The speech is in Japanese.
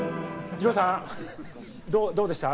じろうさんどうでした？